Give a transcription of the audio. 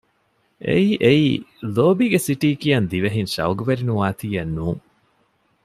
އެއީ އެއީ ލޯބީގެ ސިޓީ ކިޔަން ދިވެހިން ޝައުގުވެރި ނުވާތީއެއް ނޫން